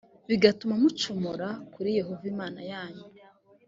bigatuma mucumura kuri yehova imana yanyu